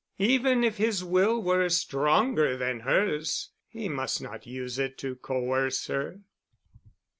Even if his will were stronger than hers, he must not use it to coerce her.